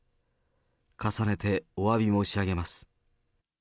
重ねておわび申し上げます。